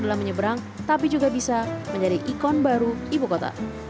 dalam menyeberang tapi juga bisa menjadi ikon baru ibukota